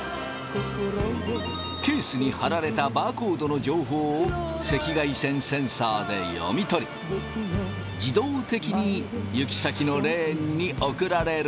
ケースに貼られたバーコードの情報を赤外線センサーで読み取り自動的に行き先のレーンに送られる。